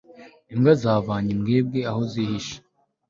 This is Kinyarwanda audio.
imbwa zavanye imbwebwe aho zihishe